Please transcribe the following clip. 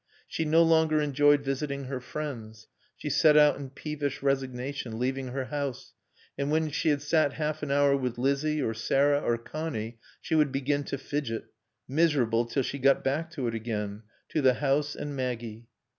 She no longer enjoyed visiting her friends. She set out in peevish resignation, leaving her house, and when she had sat half an hour with Lizzie or Sarah or Connie she would begin to fidget, miserable till she got back to it again; to the house and Maggie.